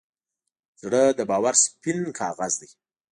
زړه د باور سپینه کاغذ دی.